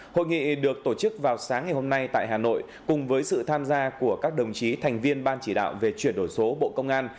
hội nghị được tổ chức vào sáng ngày hôm nay tại hà nội cùng với sự tham gia của các đồng chí thành viên ban chỉ đạo về chuyển đổi số bộ công an